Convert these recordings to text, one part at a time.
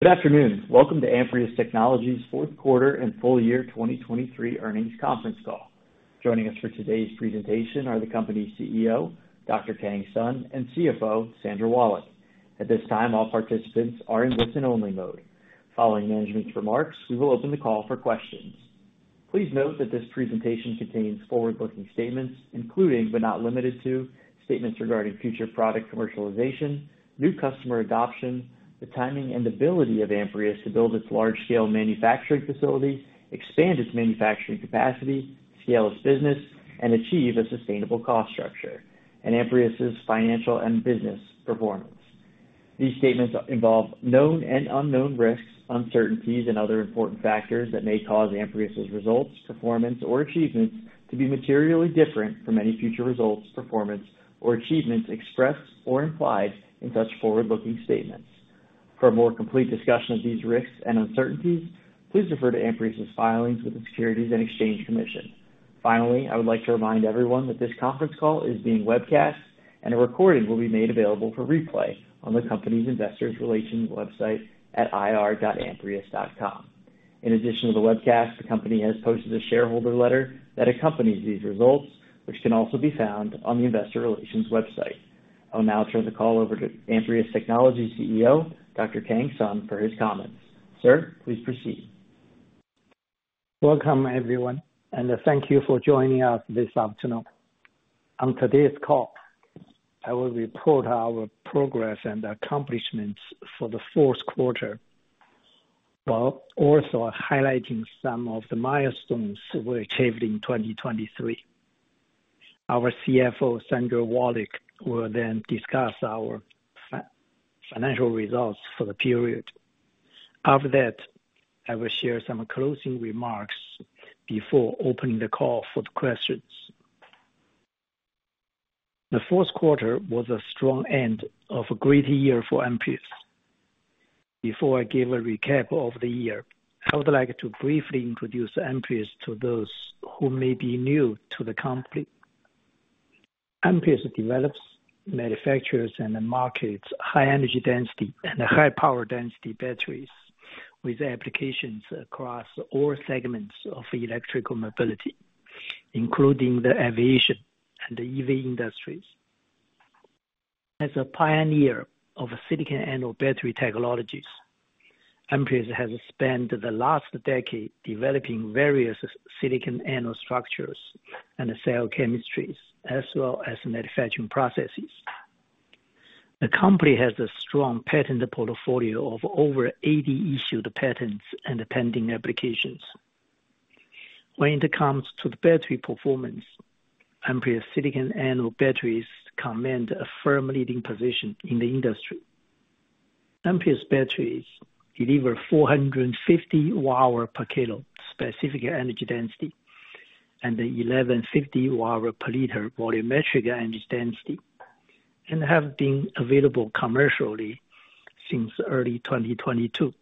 Good afternoon. Welcome to Amprius Technologies' fourth quarter and full year 2023 earnings conference call. Joining us for today's presentation are the company's CEO, Dr. Kang Sun, and CFO, Sandra Wallach. At this time, all participants are in listen-only mode. Following management's remarks, we will open the call for questions. Please note that this presentation contains forward-looking statements, including, but not limited to, statements regarding future product commercialization, new customer adoption, the timing and ability of Amprius to build its large-scale manufacturing facility, expand its manufacturing capacity, scale its business, and achieve a sustainable cost structure, and Amprius's financial and business performance. These statements involve known and unknown risks, uncertainties, and other important factors that may cause Amprius's results, performance, or achievements to be materially different from any future results, performance or achievements expressed or implied in such forward-looking statements. For a more complete discussion of these risks and uncertainties, please refer to Amprius's filings with the Securities and Exchange Commission. Finally, I would like to remind everyone that this conference call is being webcast, and a recording will be made available for replay on the company's investor relations website at ir.amprius.com. In addition to the webcast, the company has posted a shareholder letter that accompanies these results, which can also be found on the investor relations website. I'll now turn the call over to Amprius Technologies CEO, Dr. Kang Sun, for his comments. Sir, please proceed. Welcome, everyone, and thank you for joining us this afternoon. On today's call, I will report our progress and accomplishments for the fourth quarter, while also highlighting some of the milestones we achieved in 2023. Our CFO, Sandra Wallach, will then discuss our financial results for the period. After that, I will share some closing remarks before opening the call for the questions. The fourth quarter was a strong end of a great year for Amprius. Before I give a recap of the year, I would like to briefly introduce Amprius to those who may be new to the company. Amprius develops, manufactures, and markets high-energy density and high-power density batteries with applications across all segments of electrical mobility, including the aviation and the EV industries. As a pioneer of silicon anode battery technologies, Amprius has spent the last decade developing various silicon anode structures and cell chemistries, as well as manufacturing processes. The company has a strong patent portfolio of over 80 issued patents and pending applications. When it comes to the battery performance, Amprius silicon anode batteries command a firm leading position in the industry. Amprius batteries deliver 450 Wh/kg specific energy density and 1150 Wh/L volumetric energy density and have been available commercially since early 2022.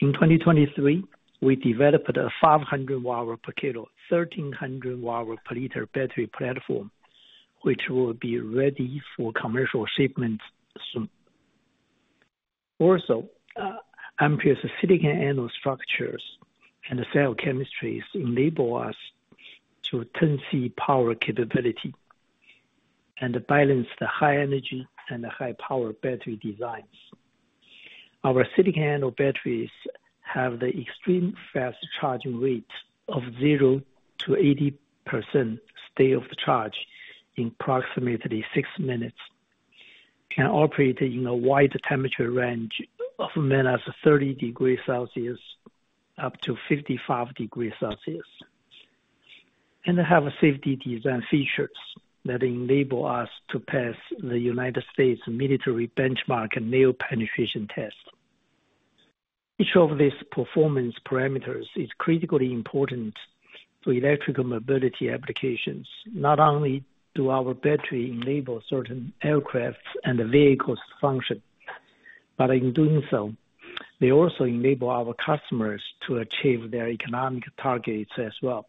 In 2023, we developed a 500 Wh/kg, 1300 Wh/L battery platform, which will be ready for commercial shipments soon. Also, Amprius silicon anode structures and cell chemistries enable us to attain high power capability and balance the high energy and the high power battery designs. Our silicon anode batteries have the extreme fast charging rates of 0%-80% state of charge in approximately six minutes, can operate in a wide temperature range of -30 degrees Celsius to 55 degrees Celsius, and have safety design features that enable us to pass the United States military benchmark nail penetration test. Each of these performance parameters is critically important to electrical mobility applications. Not only do our battery enable certain aircrafts and vehicles function, but in doing so, they also enable our customers to achieve their economic targets as well.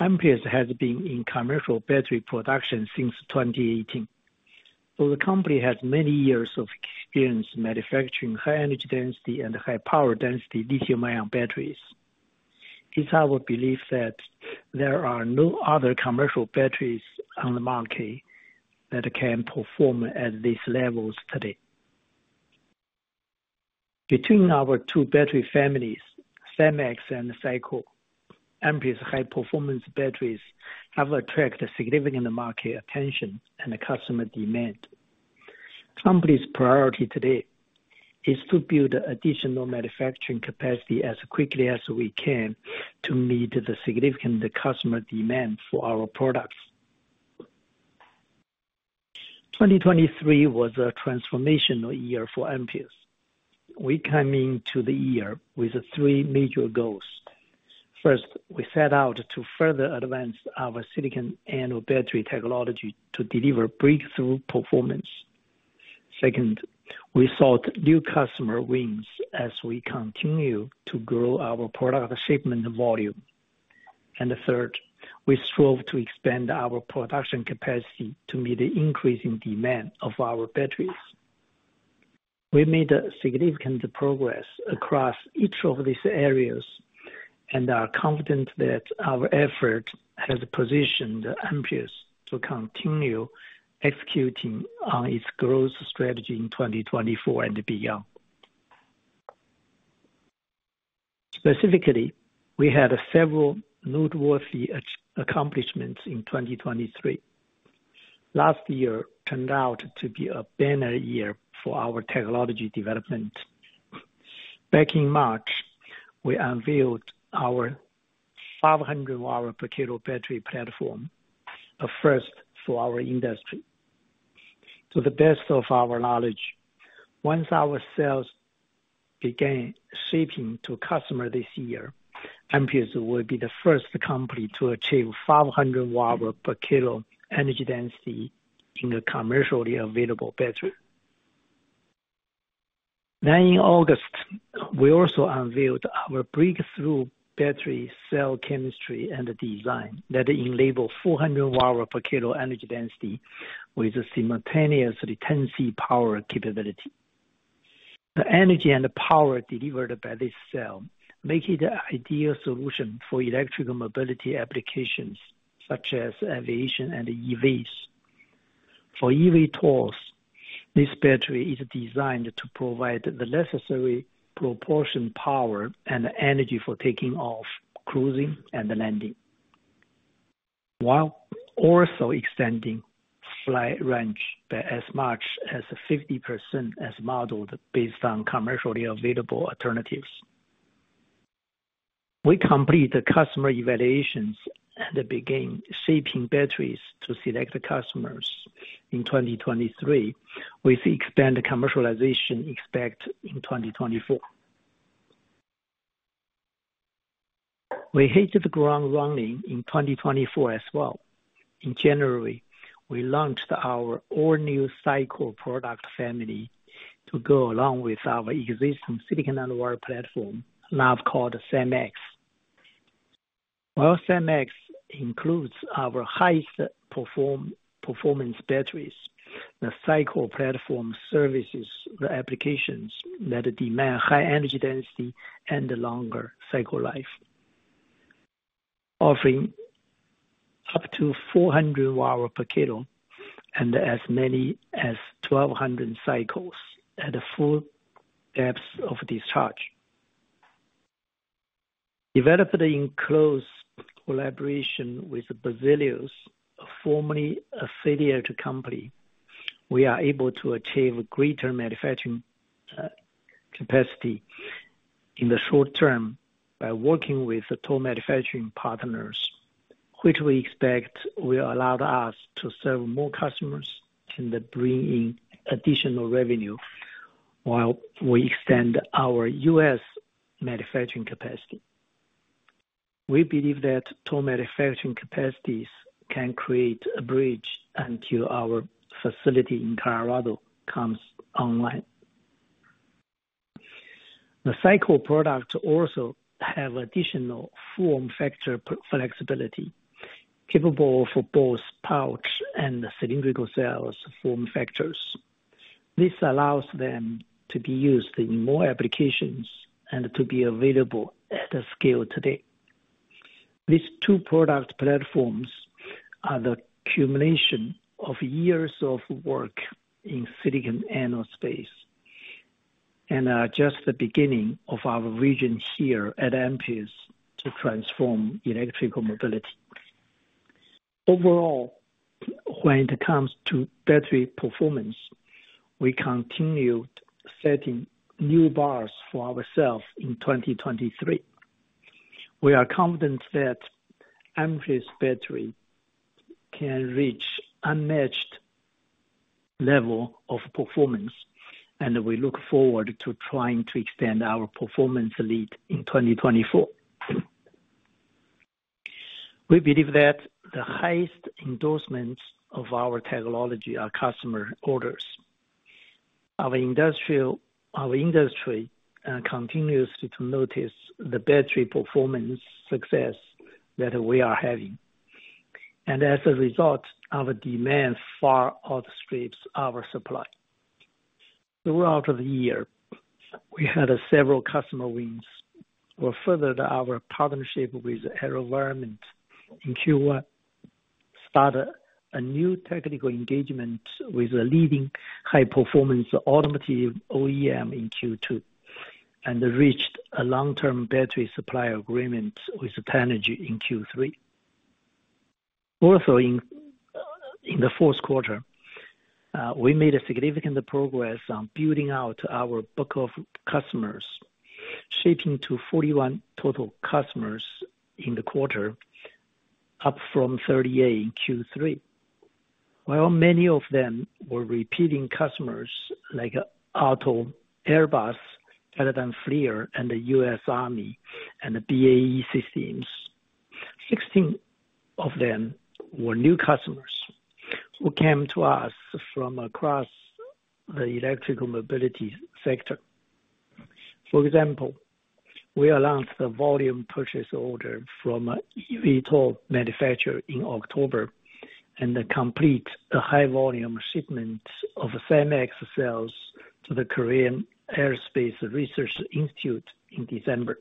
Amprius has been in commercial battery production since 2018, so the company has many years of experience manufacturing high-energy density and high-power density lithium-ion batteries. It's our belief that there are no other commercial batteries on the market that can perform at these levels today. Between our two battery families, SiMaxx and SiCore, Amprius's high-performance batteries have attracted significant market attention and customer demand. The company's priority today is to build additional manufacturing capacity as quickly as we can to meet the significant customer demand for our products. 2023 was a transformational year for Amprius. We came into the year with three major goals. First, we set out to further advance our silicon anode battery technology to deliver breakthrough performance. Second, we sought new customer wins as we continue to grow our product shipment volume.... And the third, we strove to expand our production capacity to meet the increasing demand of our batteries. We made a significant progress across each of these areas and are confident that our effort has positioned Amprius to continue executing on its growth strategy in 2024 and beyond. Specifically, we had several noteworthy accomplishments in 2023. Last year turned out to be a banner year for our technology development. Back in March, we unveiled our 500 Wh/kg battery platform, a first for our industry. To the best of our knowledge, once our sales begin shipping to customer this year, Amprius will be the first company to achieve 500 Wh/kg energy density in a commercially available battery. Then in August, we also unveiled our breakthrough battery cell chemistry and design that enable 400 Wh/kg energy density with simultaneous retention power capability. The energy and the power delivered by this cell make it an ideal solution for electrical mobility applications such as aviation and EVs. For eVTOLs, this battery is designed to provide the necessary propulsion, power, and energy for taking off, cruising and landing, while also extending flight range by as much as 50% as modeled based on commercially available alternatives. We complete the customer evaluations and begin shipping batteries to select customers in 2023, with expanded commercialization expected in 2024. We hit the ground running in 2024 as well. In January, we launched our all-new SiCore product family to go along with our existing silicon nanowire platform, now called SiMaxx. While SiMaxx includes our highest performance batteries, the SiCore platform services the applications that demand high energy density and a longer cycle life, offering up to 400 Wh/kg and as many as 1,200 cycles at a full depth of discharge. Developed in close collaboration with Berzelius, formerly a JV company, we are able to achieve greater manufacturing capacity in the short term by working with the toll manufacturing partners, which we expect will allow us to serve more customers and bring in additional revenue while we extend our U.S. manufacturing capacity. We believe that toll manufacturing capacities can create a bridge until our facility in Colorado comes online. The SiCore products also have additional form factor flexibility, capable of both pouch and cylindrical cells form factors. This allows them to be used in more applications and to be available at a scale today. These two product platforms are the accumulation of years of work in silicon aerospace and are just the beginning of our vision here at Amprius to transform electrical mobility. Overall, when it comes to battery performance, we continued setting new bars for ourselves in 2023. We are confident that Amprius battery can reach unmatched level of performance, and we look forward to trying to extend our performance lead in 2024. We believe that the highest endorsements of our technology are customer orders. Our industry continues to notice the battery performance success that we are having, and as a result, our demand far outstrips our supply. Throughout the year, we had several customer wins. We furthered our partnership with AeroVironment in Q1, started a new technical engagement with a leading high-performance automotive OEM in Q2, and reached a long-term battery supply agreement with Tenergy in Q3. Also in the fourth quarter, we made a significant progress on building out our book of customers, shipping to 41 total customers in the quarter, up from 38 in Q3. While many of them were repeating customers like AALTO, Airbus, Teledyne FLIR, and the U.S. Army and BAE Systems, 16 of them were new customers who came to us from across the electrical mobility sector... For example, we announced a volume purchase order from a eVTOL manufacturer in October, and completed the high volume shipments of SiMaxx cells to the Korea Aerospace Research Institute in December.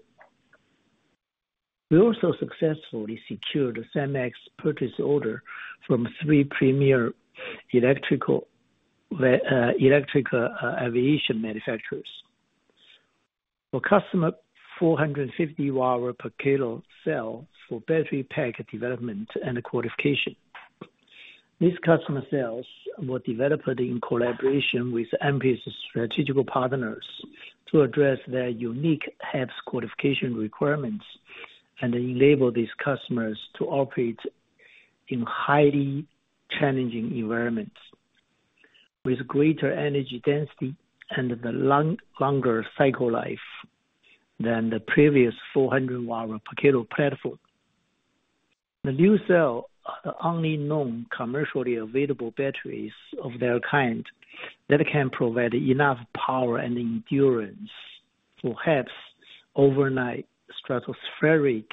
We also successfully secured a SiMaxx purchase order from three premier electrical aviation manufacturers. For custom 450 Wh/kg cell for battery pack development and qualification. These customer cells were developed in collaboration with Amprius' strategic partners to address their unique HAPS qualification requirements, and enable these customers to operate in highly challenging environments, with greater energy density and the longer cycle life than the previous 400 Wh/kg platform. The new cell are the only known commercially available batteries of their kind, that can provide enough power and endurance for HAPS overnight stratospheric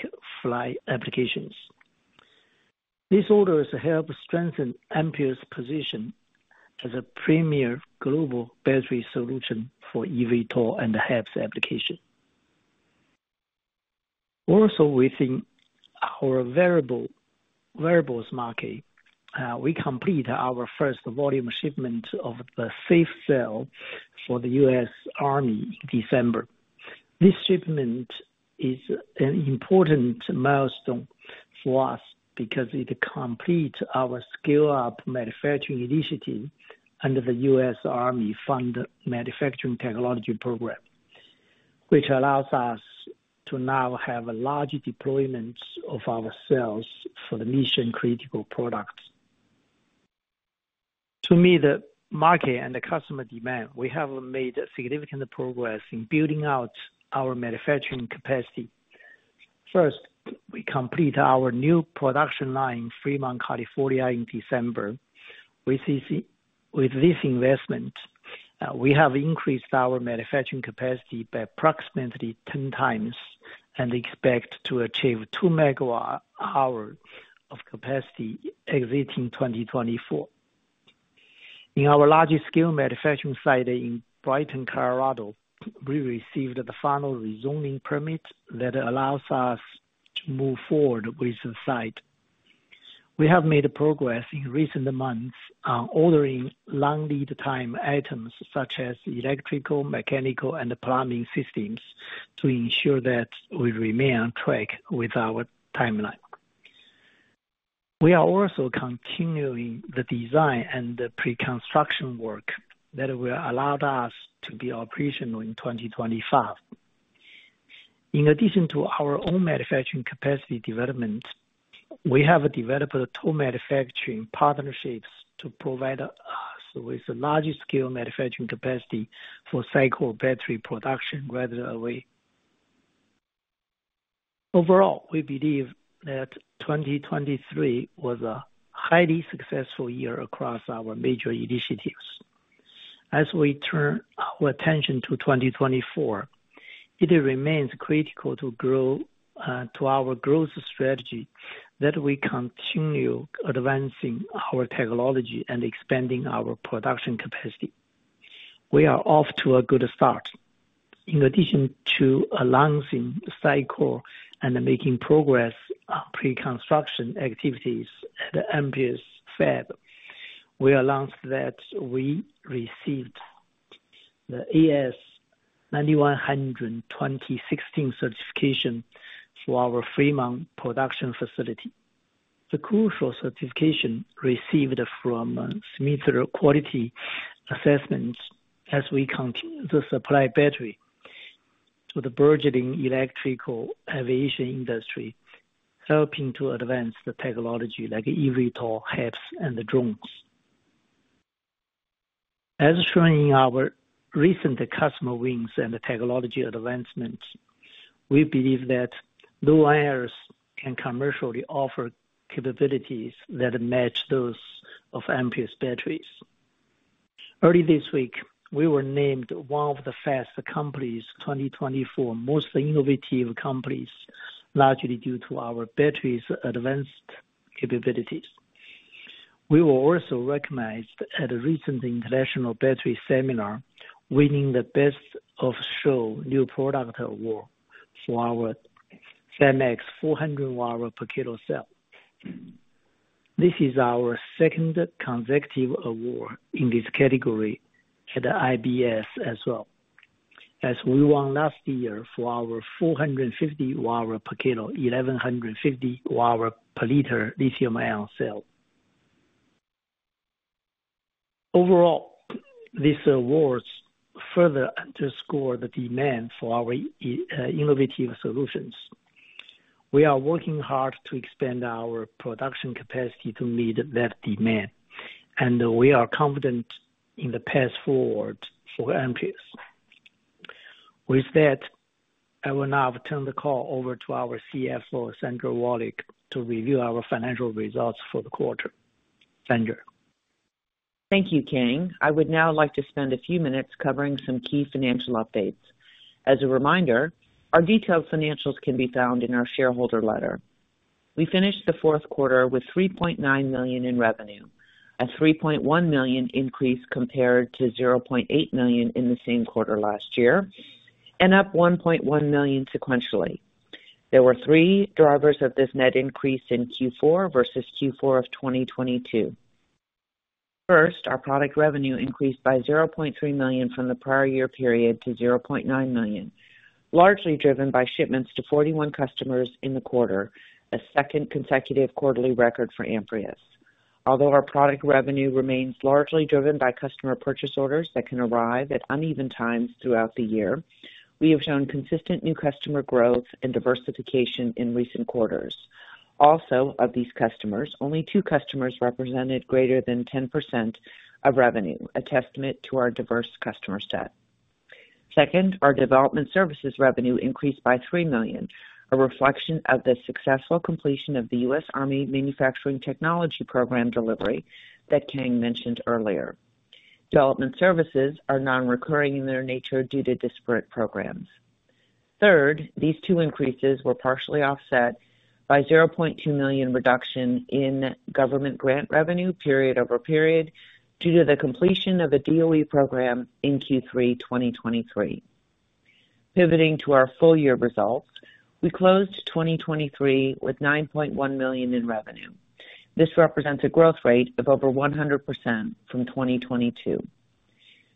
flight applications. These orders help strengthen Amprius' position as a premier global battery solution for eVTOL and HAPS application. Also, within our aviation market, we complete our first volume shipment of the SiCore cell for the U.S. Army in December. This shipment is an important milestone for us, because it completes our scale-up manufacturing initiative under the U.S. Army Funded Manufacturing Technology Program, which allows us to now have a large deployment of our cells for the mission critical products. To meet the market and the customer demand, we have made significant progress in building out our manufacturing capacity. First, we complete our new production line in Fremont, California, in December. With this, with this investment, we have increased our manufacturing capacity by approximately 10 times and expect to achieve 2 MWh of capacity exiting 2024. In our largest scale manufacturing site in Brighton, Colorado, we received the final rezoning permit that allows us to move forward with the site. We have made progress in recent months on ordering long lead time items such as electrical, mechanical, and plumbing systems, to ensure that we remain on track with our timeline. We are also continuing the design and the pre-construction work that will allow us to be operational in 2025. In addition to our own manufacturing capacity development, we have developed two manufacturing partnerships to provide us with the largest scale manufacturing capacity for cycle battery production right away. Overall, we believe that 2023 was a highly successful year across our major initiatives. As we turn our attention to 2024, it remains critical to grow to our growth strategy, that we continue advancing our technology and expanding our production capacity. We are off to a good start. In addition to announcing SiCore and making progress on pre-construction activities at Amprius fab, we announced that we received the AS 9100:2016 certification for our Fremont production facility. The crucial certification received from Smithers Quality Assessments, as we continue to supply battery to the burgeoning electrical aviation industry, helping to advance the technology like eVTOL, HAPS, and the drones. As shown in our recent customer wins and technology advancements, we believe that no others can commercially offer capabilities that match those of Amprius batteries. Early this week, we were named one of the Fast Company 2024 Most Innovative Companies, largely due to our batteries' advanced capabilities. We were also recognized at a recent International Battery Seminar, winning the Best of Show New Product Award for our SiMaxx 400 Wh/kg cell. This is our second consecutive award in this category at IBS as well, as we won last year for our 450 Wh/kg, 1,150Wh/L lithium-ion cell. Overall, these awards further underscore the demand for our innovative solutions. We are working hard to expand our production capacity to meet that demand, and we are confident in the path forward for Amprius. With that, I will now turn the call over to our CFO, Sandra Wallach, to review our financial results for the quarter. Sandra?... Thank you, Kang. I would now like to spend a few minutes covering some key financial updates. As a reminder, our detailed financials can be found in our shareholder letter. We finished the fourth quarter with $3.9 million in revenue, a $3.1 million increase compared to $0.8 million in the same quarter last year, and up $1.1 million sequentially. There were three drivers of this net increase in Q4 versus Q4 of 2022. First, our product revenue increased by $0.3 million from the prior year period to $0.9 million, largely driven by shipments to 41 customers in the quarter, a second consecutive quarterly record for Amprius. Although our product revenue remains largely driven by customer purchase orders that can arrive at uneven times throughout the year, we have shown consistent new customer growth and diversification in recent quarters. Also, of these customers, only two customers represented greater than 10% of revenue, a testament to our diverse customer set. Second, our development services revenue increased by $3 million, a reflection of the successful completion of the U.S. Army Manufacturing Technology Program delivery that Kang mentioned earlier. Development services are non-recurring in their nature due to disparate programs. Third, these two increases were partially offset by $0.2 million reduction in government grant revenue period-over-period, due to the completion of the DOE program in Q3 2023. Pivoting to our full year results, we closed 2023 with $9.1 million in revenue. This represents a growth rate of over 100% from 2022.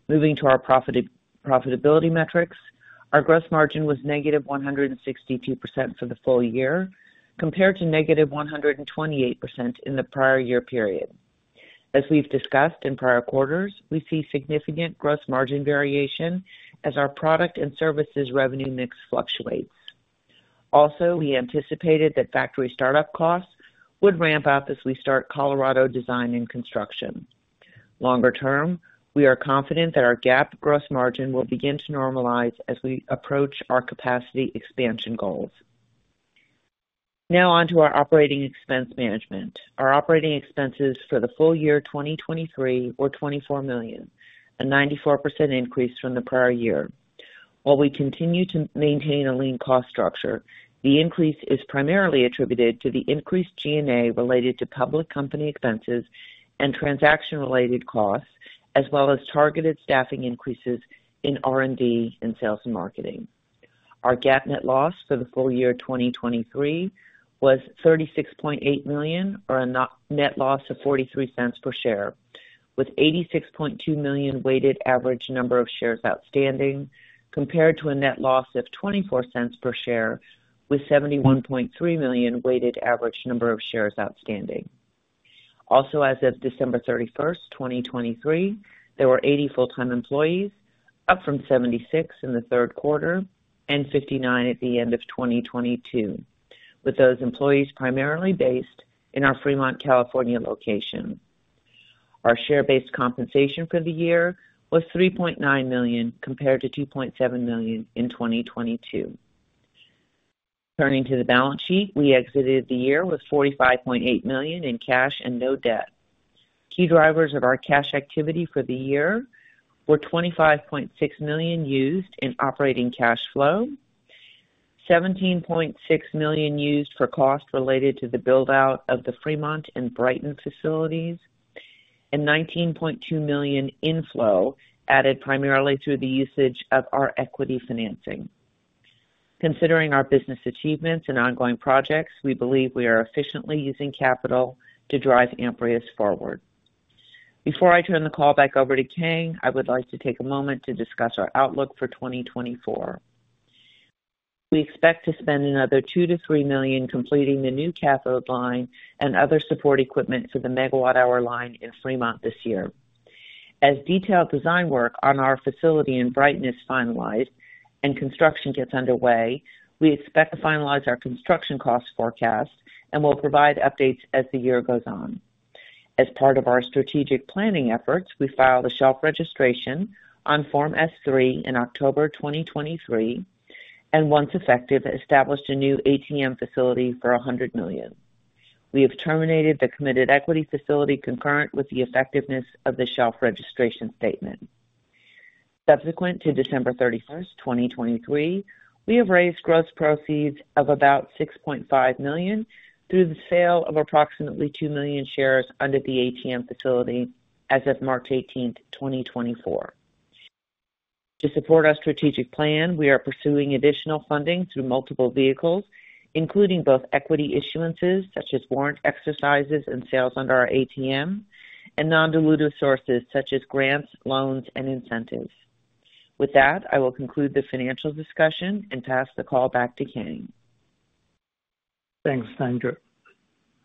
Moving to our profitability metrics, our gross margin was -162% for the full year, compared to -128% in the prior year period. As we've discussed in prior quarters, we see significant gross margin variation as our product and services revenue mix fluctuates. Also, we anticipated that factory startup costs would ramp up as we start Colorado Design & Construction. Longer term, we are confident that our GAAP gross margin will begin to normalize as we approach our capacity expansion goals. Now on to our operating expense management. Our operating expenses for the full year 2023 were $24 million, a 94% increase from the prior year. While we continue to maintain a lean cost structure, the increase is primarily attributed to the increased G&A related to public company expenses and transaction-related costs, as well as targeted staffing increases in R&D and sales and marketing. Our GAAP net loss for the full year 2023 was $36.8 million, or a non-GAAP net loss of $0.43 per share, with 86.2 million weighted average number of shares outstanding, compared to a net loss of $0.24 per share, with 71.3 million weighted average number of shares outstanding. Also, as of December 31, 2023, there were 80 full-time employees, up from 76 in the third quarter and 59 at the end of 2022, with those employees primarily based in our Fremont, California, location. Our share-based compensation for the year was $3.9 million, compared to $2.7 million in 2022. Turning to the balance sheet, we exited the year with $45.8 million in cash and no debt. Key drivers of our cash activity for the year were $25.6 million used in operating cash flow, $17.6 million used for costs related to the build-out of the Fremont and Brighton facilities, and $19.2 million inflow, added primarily through the usage of our equity financing. Considering our business achievements and ongoing projects, we believe we are efficiently using capital to drive Amprius forward. Before I turn the call back over to Kang, I would like to take a moment to discuss our outlook for 2024. We expect to spend another $2 million-$3 million completing the new cathode line and other support equipment for the megawatt-hour line in Fremont this year. As detailed design work on our facility in Brighton is finalized and construction gets underway, we expect to finalize our construction cost forecast and will provide updates as the year goes on. As part of our strategic planning efforts, we filed a shelf registration on Form S-3 in October 2023, and once effective, established a new ATM facility for $100 million. We have terminated the committed equity facility concurrent with the effectiveness of the shelf registration statement. Subsequent to December 31st, 2023, we have raised gross proceeds of about $6.5 million through the sale of approximately 2 million shares under the ATM facility as of March 18th, 2024. To support our strategic plan, we are pursuing additional funding through multiple vehicles, including both equity issuances, such as warrant exercises and sales under our ATM, and non-dilutive sources such as grants, loans, and incentives. With that, I will conclude the financial discussion and pass the call back to Kang. Thanks, Sandra.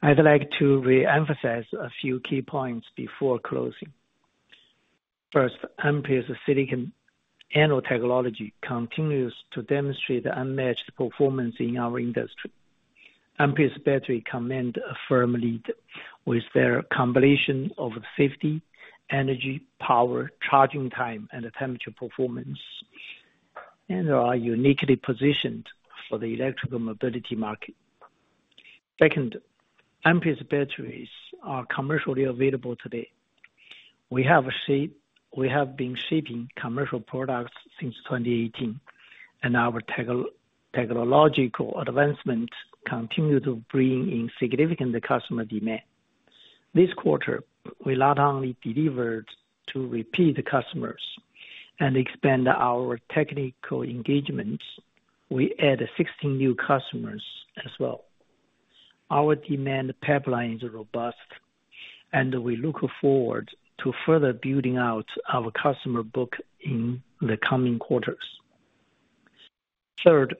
I'd like to reemphasize a few key points before closing. First, Amprius' silicon anode technology continues to demonstrate unmatched performance in our industry. Amprius batteries command a firm lead with their combination of safety, energy, power, charging time, and temperature performance, and are uniquely positioned for the electrical mobility market. Second, Amprius batteries are commercially available today. We have been shipping commercial products since 2018, and our technological advancements continue to bring in significant customer demand. This quarter, we not only delivered to repeat customers and expand our technical engagements, we added 16 new customers as well. Our demand pipeline is robust, and we look forward to further building out our customer book in the coming quarters. Third,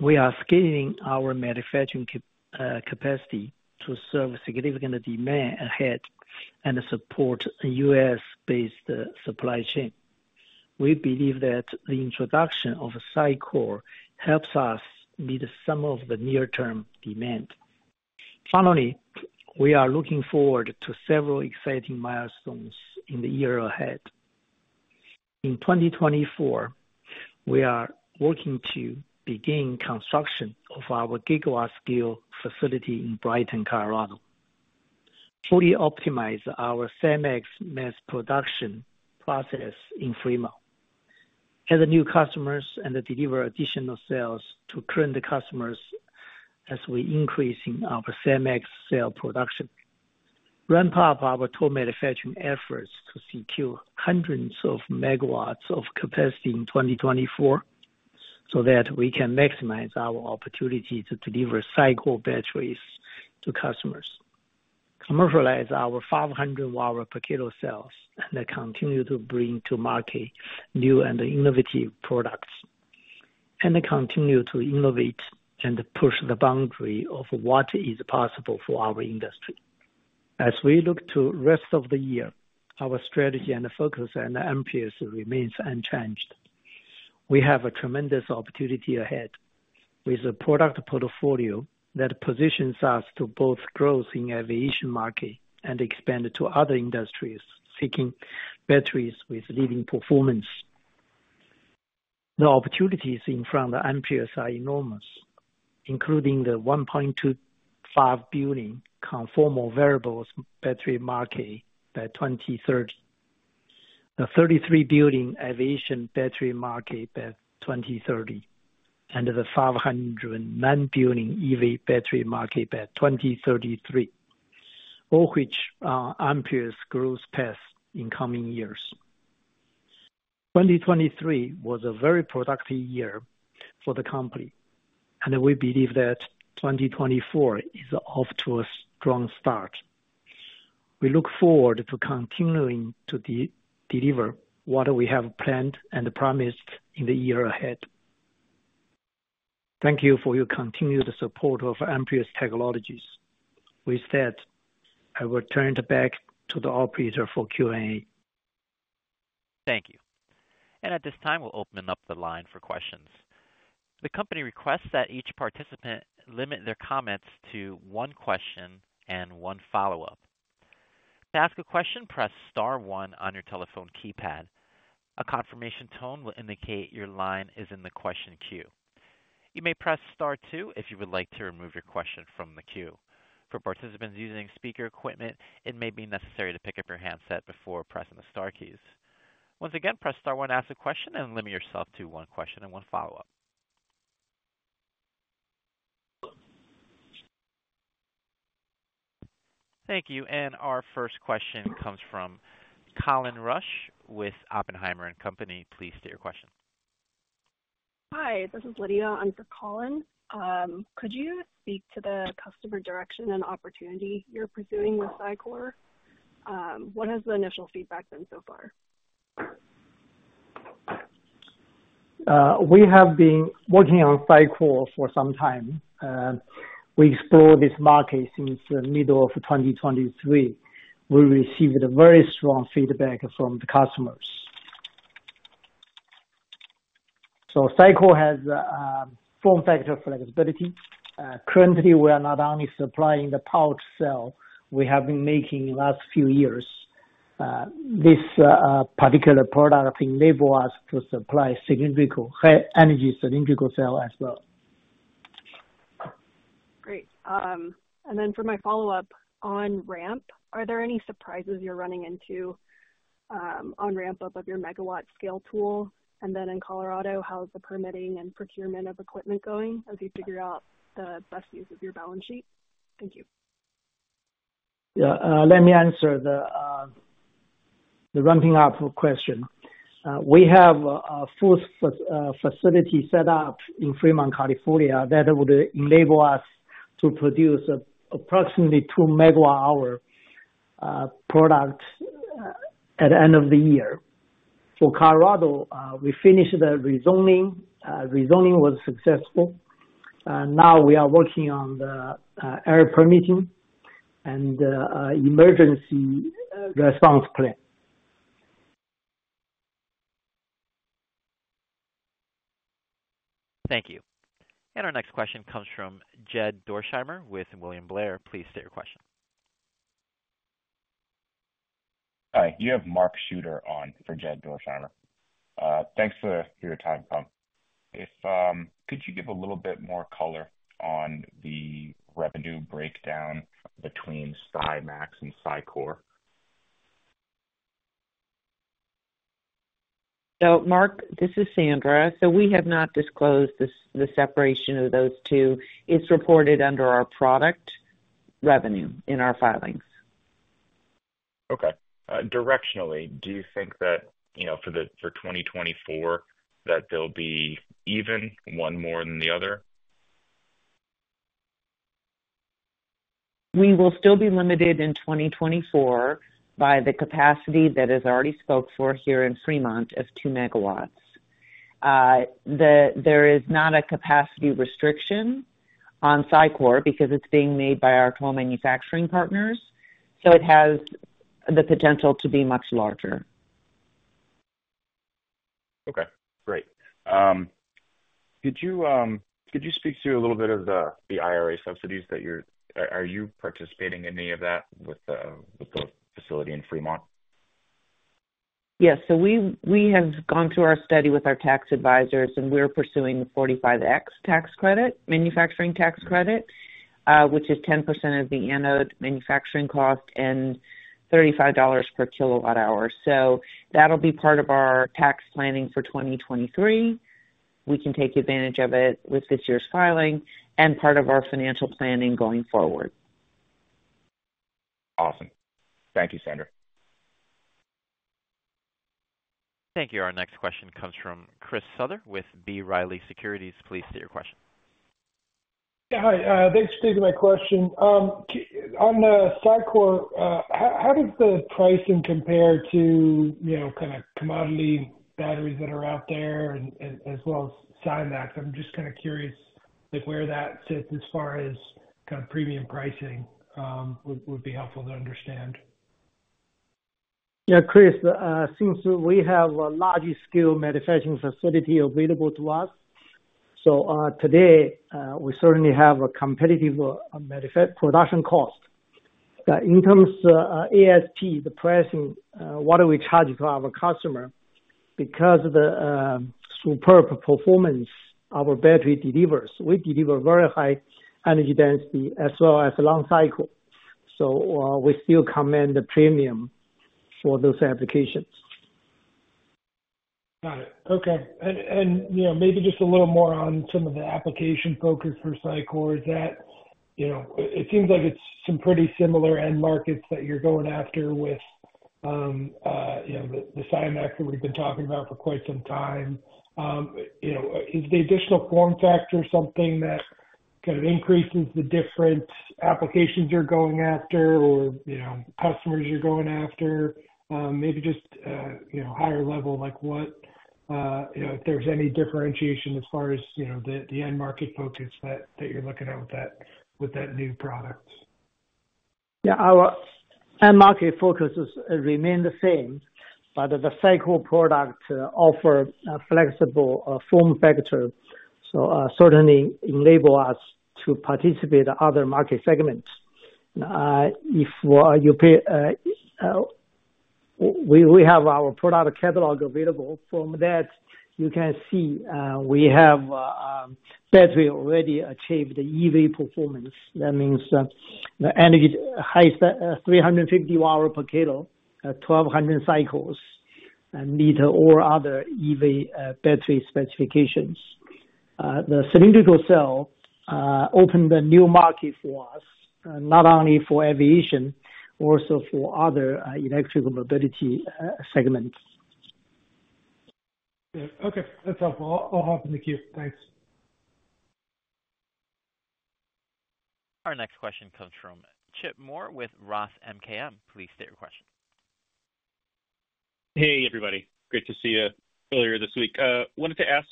we are scaling our manufacturing capacity to serve significant demand ahead and support a U.S.-based supply chain. We believe that the introduction of SiCore helps us meet some of the near-term demand. Finally, we are looking forward to several exciting milestones in the year ahead. In 2024, we are working to begin construction of our gigawatt scale facility in Brighton, Colorado, fully optimize our SiMaxx mass production process in Fremont, add new customers and deliver additional sales to current customers as we increase in our SiMaxx cell production. Ramp up our toll manufacturing efforts to secure hundreds of megawatts of capacity in 2024, so that we can maximize our opportunity to deliver cycle batteries to customers. Commercialize our 500 Wh/kg cells and continue to bring to market new and innovative products, and continue to innovate and push the boundary of what is possible for our industry. As we look to rest of the year, our strategy and focus at Amprius remains unchanged. We have a tremendous opportunity ahead with a product portfolio that positions us to both growth in aviation market and expand to other industries seeking batteries with leading performance. The opportunities in front of Amprius are enormous, including the $1.25 billion conformal wearables battery market by 2030, the $33 billion aviation battery market by 2030, and the $509 billion EV battery market by 2033, all which are Amprius growth paths in coming years. 2023 was a very productive year for the company, and we believe that 2024 is off to a strong start. We look forward to continuing to deliver what we have planned and promised in the year ahead. Thank you for your continued support of Amprius Technologies. With that, I will turn it back to the operator for Q&A. Thank you. And at this time, we'll open up the line for questions. The company requests that each participant limit their comments to one question and one follow-up. To ask a question, press star one on your telephone keypad. A confirmation tone will indicate your line is in the question queue. You may press star two if you would like to remove your question from the queue. For participants using speaker equipment, it may be necessary to pick up your handset before pressing the star keys. Once again, press star one to ask a question and limit yourself to one question and one follow-up. Thank you. And our first question comes from Colin Rusch with Oppenheimer & Co. Please state your question. Hi, this is Lydia in for Colin. Could you speak to the customer direction and opportunity you're pursuing with SiCore? What has the initial feedback been so far? We have been working on SiCore for some time, and we explored this market since the middle of 2023. We received a very strong feedback from the customers. So SiCore has form factor flexibility. Currently, we are not only supplying the pouch cell we have been making last few years. This particular product enable us to supply significant high energy cylindrical cell as well. Great. And then for my follow-up, on ramp, are there any surprises you're running into, on ramp-up of your megawatt scale tool? And then in Colorado, how is the permitting and procurement of equipment going as you figure out the best use of your balance sheet? Thank you. Yeah. Let me answer the ramping up question. We have a full facility set up in Fremont, California, that would enable us to produce approximately 2 MWh product at the end of the year. For Colorado, we finished the rezoning. Rezoning was successful. Now we are working on the air permitting and emergency response plan. Thank you. Our next question comes from Jed Dorsheimer with William Blair. Please state your question.... Hi, you have Mark Shooter on for Jed Dorsheimer. Thanks for your time, Kang. If, could you give a little bit more color on the revenue breakdown between SiMaxx and SiCore? Mark, this is Sandra. We have not disclosed this, the separation of those two. It's reported under our product revenue in our filings. Okay. Directionally, do you think that, you know, for the, for 2024, that they'll be even, one more than the other? We will still be limited in 2024 by the capacity that is already spoken for here in Fremont of 2 MW. There is not a capacity restriction on SiCore because it's being made by our co-manufacturing partners, so it has the potential to be much larger. Okay, great. Could you speak to a little bit of the IRA subsidies that you're... Are you participating in any of that with the facility in Fremont? Yes. So we, we have gone through our study with our tax advisors, and we're pursuing the 45x tax credit, manufacturing tax credit, which is 10% of the anode manufacturing cost and $35 per kWh. So that'll be part of our tax planning for 2023. We can take advantage of it with this year's filing and part of our financial planning going forward. Awesome. Thank you, Sandra. Thank you. Our next question comes from Chris Souther with B. Riley Securities. Please state your question. Yeah, hi. Thanks for taking my question. On the SiCore, how does the pricing compare to, you know, kind of commodity batteries that are out there and as well as SiMaxx? I'm just kind of curious, like, where that sits as far as kind of premium pricing, would be helpful to understand. Yeah, Chris, since we have a large-scale manufacturing facility available to us, so today we certainly have a competitive manufacturing production cost. In terms of ASP, the pricing, what do we charge to our customer? Because of the superb performance our battery delivers, we deliver very high energy density as well as long cycle, so we still command the premium for those applications. Got it. Okay. You know, maybe just a little more on some of the application focus for SiCore. Is that, you know, it seems like it's some pretty similar end markets that you're going after with, you know, the SiMaxx that we've been talking about for quite some time. You know, is the additional form factor something that kind of increases the different applications you're going after or, you know, customers you're going after? Maybe just, you know, higher level, like what, you know, if there's any differentiation as far as, you know, the end market focus that you're looking at with that new product. Yeah, our end market focuses remain the same, but the SiCore product offer a flexible form factor, so certainly enable us to participate in other market segments. If you pay, we have our product catalog available. From that, you can see we have battery already achieved the EV performance. That means that the energy high 350 Wh/kg, 1,200 cycles, and meet all other EV battery specifications. The cylindrical cell opened a new market for us, not only for aviation, also for other electrical mobility segments. Yeah. Okay, that's helpful. I'll hop in the queue. Thanks. Our next question comes from Chip Moore with ROTH MKM. Please state your question. Hey, everybody. Great to see you earlier this week. Wanted to ask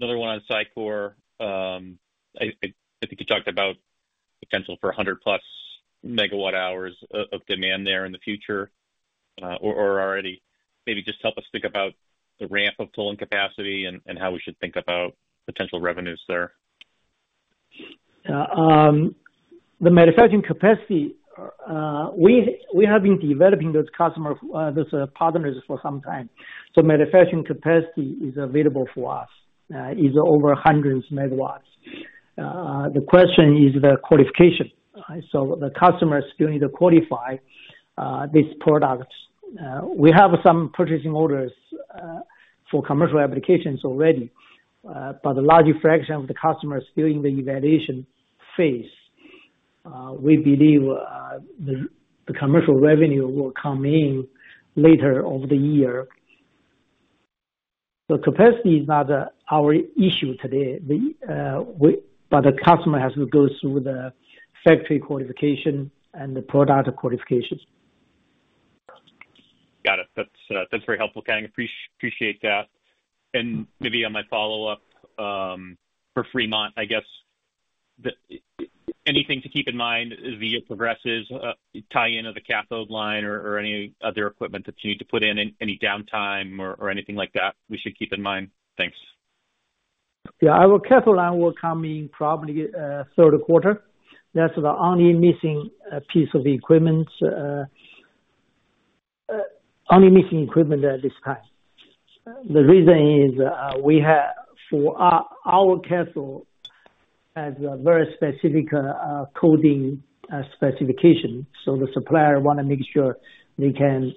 another one on SiCore. I think you talked about potential for 100+ MWh of demand there in the future, or already. Maybe just help us think about the ramp of full and capacity and how we should think about potential revenues there. The manufacturing capacity, we have been developing those customer, those partners for some time, so manufacturing capacity is available for us, is over hundreds megawatts. The question is the qualification. So the customers still need to qualify, these products. We have some purchasing orders, for commercial applications already, but a large fraction of the customers are still in the evaluation phase. We believe, the commercial revenue will come in later over the year. The capacity is not, our issue today. But the customer has to go through the factory qualification and the product qualifications. Got it. That's very helpful. I appreciate that. And maybe on my follow-up, for Fremont, I guess anything to keep in mind as the year progresses, tie in of the cathode line or any other equipment that you need to put in, any downtime or anything like that we should keep in mind? Thanks. Yeah, our cathode line will come in probably third quarter. That's the only missing piece of equipment at this time. The reason is our cathode has a very specific coating specification, so the supplier wanna make sure they can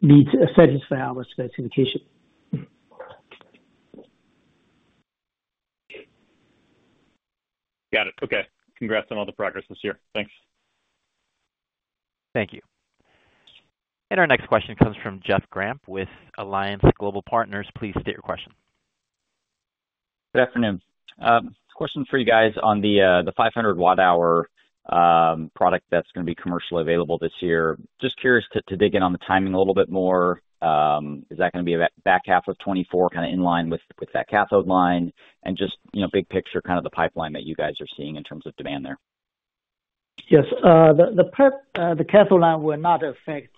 meet, satisfy our specification. Got it. Okay. Congrats on all the progress this year. Thanks. Thank you. Our next question comes from Jeff Grampp with Alliance Global Partners. Please state your question. Good afternoon. Question for you guys on the 500 Wh product that's gonna be commercially available this year. Just curious to dig in on the timing a little bit more. Is that gonna be a back half of 2024, kinda in line with that cathode line? And just, you know, big picture, kind of the pipeline that you guys are seeing in terms of demand there? Yes. The prep, the cathode line will not affect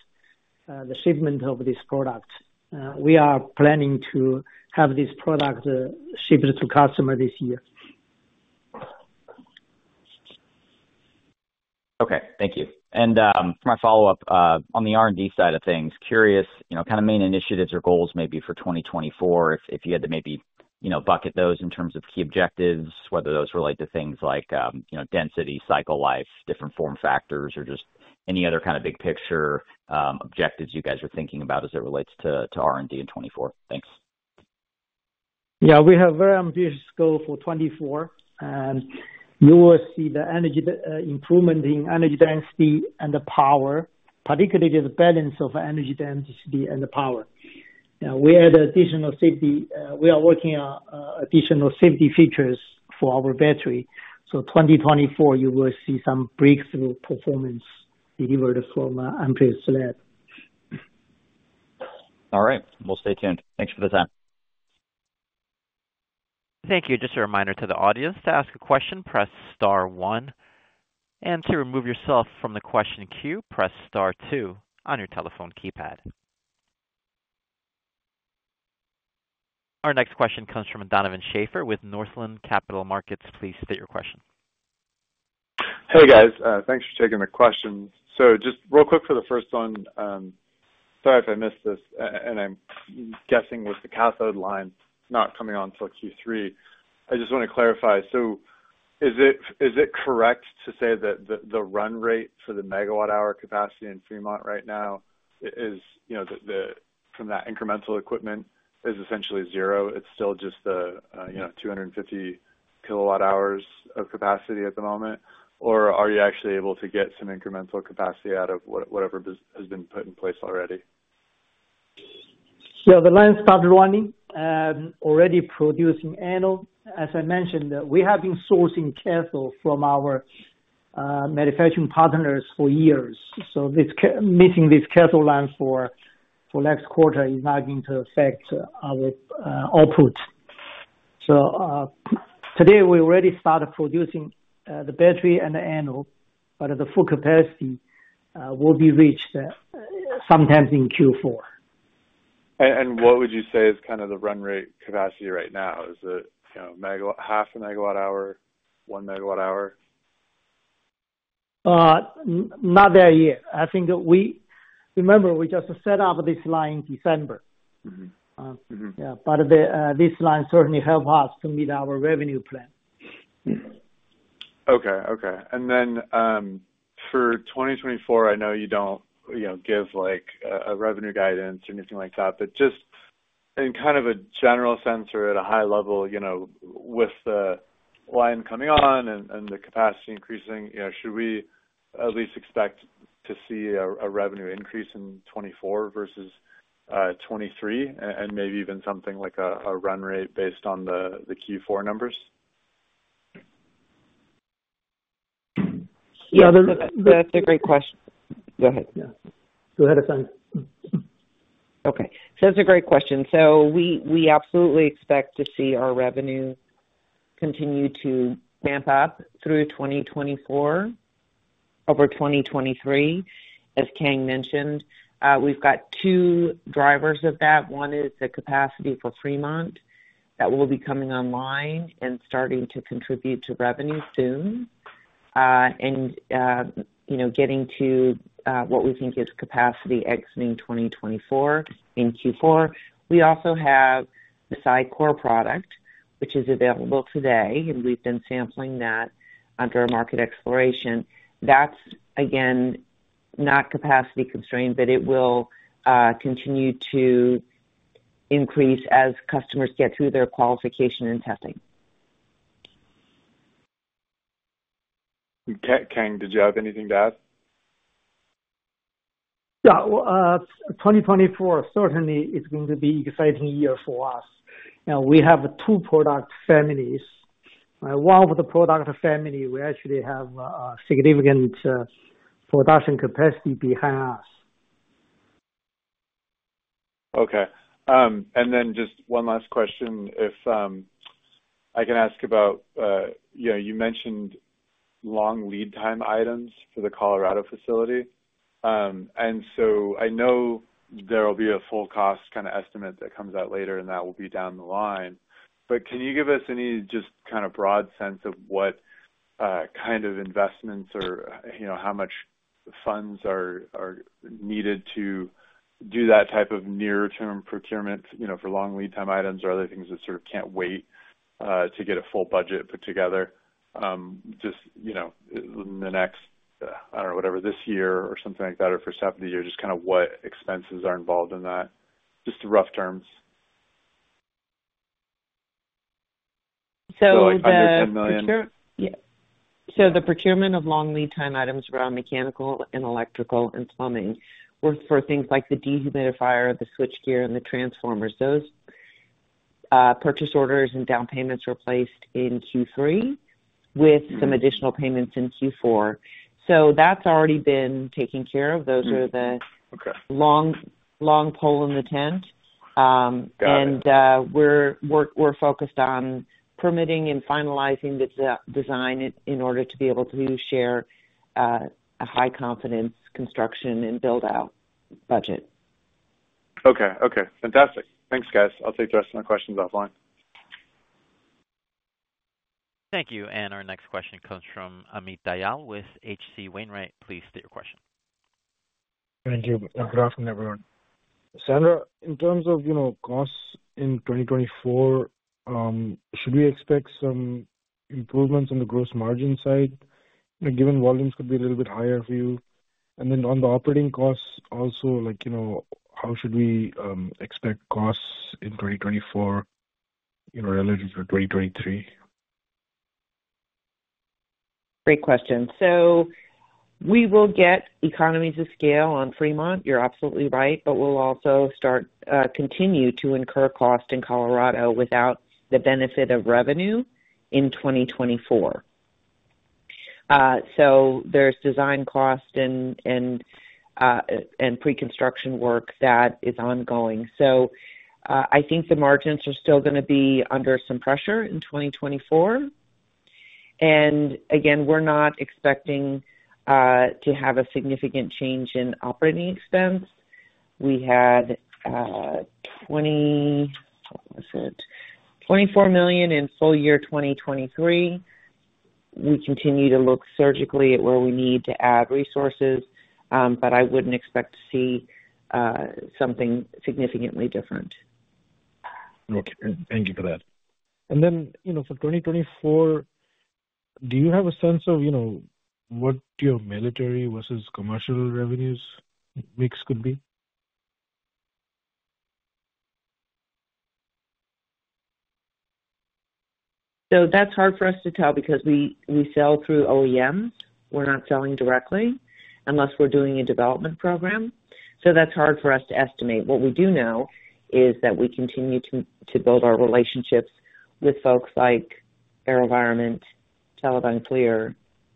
the shipment of this product. We are planning to have this product shipped to customer this year. Okay, thank you. For my follow-up, on the R&D side of things, curious, you know, kind of main initiatives or goals maybe for 2024, if you had to maybe, you know, bucket those in terms of key objectives, whether those relate to things like, you know, density, cycle life, different form factors, or just any other kind of big picture objectives you guys are thinking about as it relates to R&D in 2024. Thanks. Yeah, we have very ambitious goal for 2024, and you will see the energy, improvement in energy density and the power, particularly the balance of energy density and the power. Now, we add additional safety, we are working on, additional safety features for our battery. So 2024, you will see some breakthrough performance delivered from, Amprius lab. All right. We'll stay tuned. Thanks for the time. Thank you. Just a reminder to the audience, to ask a question, press star one, and to remove yourself from the question queue, press star two on your telephone keypad. Our next question comes from Donovan Schafer with Northland Capital Markets. Please state your question. Hey, guys. Thanks for taking the question. So just real quick for the first one, sorry if I missed this, and I'm guessing with the cathode line not coming on until Q3. I just wanna clarify: So is it correct to say that the run rate for the megawatt-hour capacity in Fremont right now is, you know, from that incremental equipment is essentially zero? It's still just the, you know, 250 kWh of capacity at the moment. Or are you actually able to get some incremental capacity out of whatever has been put in place already? Yeah, the line started running and already producing anode. As I mentioned, we have been sourcing cathode from our manufacturing partners for years, so missing this cathode line for next quarter is not going to affect our output. So, today, we already started producing the battery and the anode, but the full capacity will be reached sometimes in Q4. What would you say is kind of the run rate capacity right now? Is it, you know, 0.5 MWh, 1 MWh? Not there yet. I think we... Remember, we just set up this line December. Mm-hmm. Mm-hmm. Yeah, but this line certainly help us to meet our revenue plan. Okay. Okay. And then, for 2024, I know you don't, you know, give, like, a revenue guidance or anything like that, but just in kind of a general sense or at a high level, you know, with the line coming on and the capacity increasing, you know, should we at least expect to see a revenue increase in 2024 versus 2023? And maybe even something like a run rate based on the Q4 numbers? Yeah, that's- That's a great question. Go ahead. Yeah. Go ahead, Sandra. Okay. So it's a great question. So we absolutely expect to see our revenue continue to ramp up through 2024, over 2023. As Kang mentioned, we've got two drivers of that. One is the capacity for Fremont that will be coming online and starting to contribute to revenue soon. And, you know, getting to what we think is capacity exiting 2024 in Q4. We also have the SiCore product, which is available today, and we've been sampling that under our market exploration. That's, again, not capacity constrained, but it will continue to increase as customers get through their qualification and testing. Kang, did you have anything to add? Yeah. Well, 2024 certainly is going to be exciting year for us. Now, we have two product families. One of the product family, we actually have a significant production capacity behind us. Okay. And then just one last question, if I can ask about, you know, you mentioned long lead time items for the Colorado facility. And so I know there will be a full cost kind of estimate that comes out later, and that will be down the line. But can you give us any just kind of broad sense of what kind of investments or, you know, how much funds are needed to do that type of near-term procurement, you know, for long lead time items or other things that sort of can't wait to get a full budget put together? Just, you know, in the next, I don't know, whatever, this year or something like that, or first half of the year, just kind of what expenses are involved in that, just the rough terms. So the- Under $10 million. Yeah. So the procurement of long lead time items around mechanical and electrical and plumbing were for things like the dehumidifier, the switchgear, and the transformers. Those, purchase orders and down payments were placed in Q3 with some additional payments in Q4. So that's already been taken care of. Mm-hmm. Those are the- Okay. long, long pole in the tent. Got it. and, we're focused on permitting and finalizing the design in order to be able to share a high confidence construction and build-out budget. Okay. Okay, fantastic. Thanks, guys. I'll take the rest of my questions offline. Thank you. And our next question comes from Amit Dayal with H.C. Wainwright. Please state your question. Thank you. Good afternoon, everyone. Sandra, in terms of, you know, costs in 2024, should we expect some improvements on the gross margin side, given volumes could be a little bit higher for you? And then on the operating costs also, like, you know, how should we expect costs in 2024, you know, relative to 2023? Great question. So we will get economies of scale on Fremont. You're absolutely right. But we'll also continue to incur costs in Colorado without the benefit of revenue in 2024. So there's design costs and pre-construction work that is ongoing. So I think the margins are still gonna be under some pressure in 2024. And again, we're not expecting to have a significant change in operating expense. We had twenty... What was it? $24 million in full year 2023. We continue to look surgically at where we need to add resources, but I wouldn't expect to see something significantly different. Okay. Thank you for that. And then, you know, for 2024, do you have a sense of, you know, what your military versus commercial revenues mix could be? So that's hard for us to tell because we, we sell through OEMs. We're not selling directly unless we're doing a development program, so that's hard for us to estimate. What we do know is that we continue to, to build our relationships with folks like AeroVironment, Teledyne FLIR,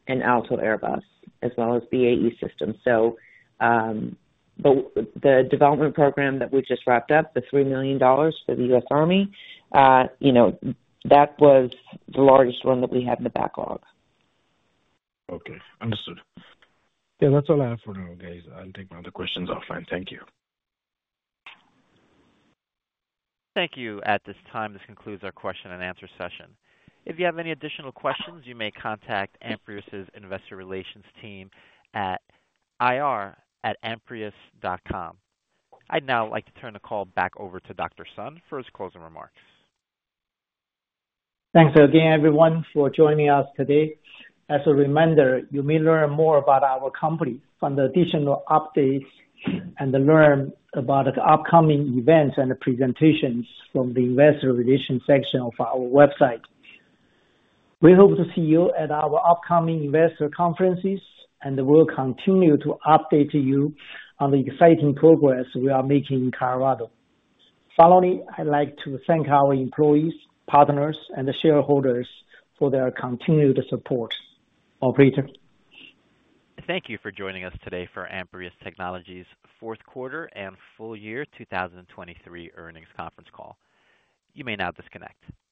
and AALTO, Airbus, as well as BAE Systems. So, the, the development program that we just wrapped up, the $3 million for the U.S. Army, you know, that was the largest one that we had in the backlog. Okay, understood. Yeah, that's all I have for now, guys. I'll take my other questions offline. Thank you. Thank you. At this time, this concludes our question and answer session. If you have any additional questions, you may contact Amprius's investor relations team at ir@amprius.com. I'd now like to turn the call back over to Dr. Sun for his closing remarks. Thanks again, everyone, for joining us today. As a reminder, you may learn more about our company from the additional updates and learn about the upcoming events and presentations from the investor relations section of our website. We hope to see you at our upcoming investor conferences, and we'll continue to update you on the exciting progress we are making in Colorado. Finally, I'd like to thank our employees, partners, and shareholders for their continued support. Operator? Thank you for joining us today for Amprius Technologies' fourth quarter and full year 2023 earnings conference call. You may now disconnect.